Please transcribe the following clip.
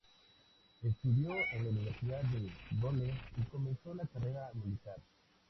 Estudió en la Universidad de Dole y comenzó la carrera militar.